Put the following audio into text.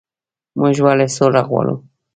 موږ ولې سوله غواړو؟